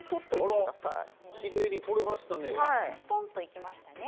きれいに取れましたね。